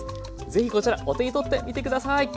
ぜひこちらお手にとってみて下さい。